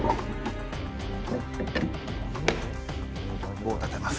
棒を立てます。